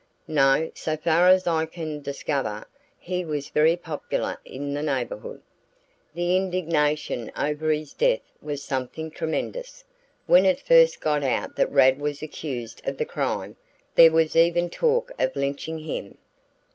"No, so far as I can discover, he was very popular in the neighborhood. The indignation over his death was something tremendous. When it first got out that Rad was accused of the crime, there was even talk of lynching him."